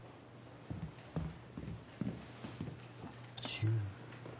１０。